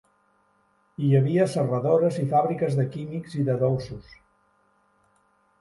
Hi havia serradores i fàbriques de químics i de dolços.